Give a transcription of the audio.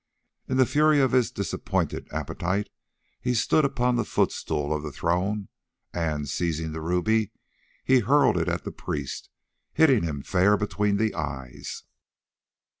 In the fury of his disappointed appetite he stood upon the footstool of the throne, and, seizing the ruby, he hurled it at the priest, hitting him fair between the eyes.